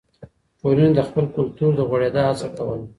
ټولني د خپل کلتور د غوړېدا هڅه کوله.